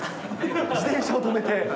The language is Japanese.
自転車を止めて？